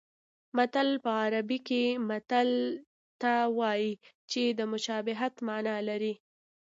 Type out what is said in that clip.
متل په عربي کې مثل ته وایي چې د مشابهت مانا لري